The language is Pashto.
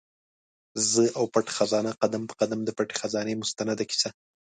زه او پټه خزانه؛ قدم په قدم د پټي خزانې مستنده کیسه